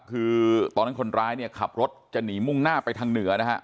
คือตอนนั้นคนร้ายเนี่ยขับรถจะหนีมุ่งหน้าไปทางเหนือนะฮะ